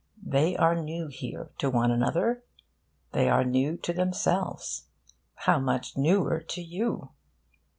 They are new here to one another. They are new to themselves. How much newer to you!